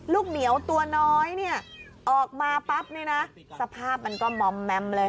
ลูกเหนียวตัวน้อยนี่ออกมาปั๊บนี่น่ะสภาพมันก็ม้อมแม้มเลย